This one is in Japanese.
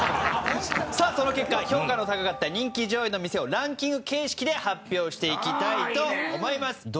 さあその結果評価の高かった人気上位の店をランキング形式で発表していきたいと思います。